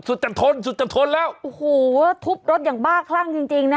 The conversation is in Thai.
จะทนสุดจะทนแล้วโอ้โหทุบรถอย่างบ้าคลั่งจริงจริงนะคะ